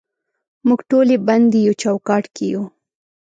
موږ ټولې بندې یو چوکاټ کې یو